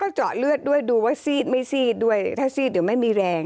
เจาะเลือดด้วยดูว่าซีดไม่ซีดด้วยถ้าซีดเดี๋ยวไม่มีแรง